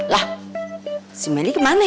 lah si melih kemana